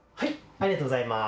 ありがとうございます。